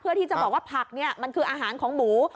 เพื่อที่จะบอกว่าผักเนี่ยมันคืออาหารของหมู